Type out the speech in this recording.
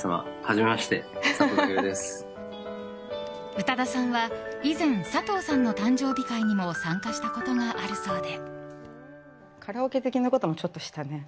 宇多田さんは以前佐藤さんの誕生日会にも参加したことがあるそうで。